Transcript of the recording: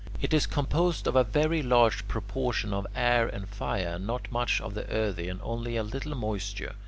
It is composed of a very large proportion of air and fire, not much of the earthy, and only a little moisture.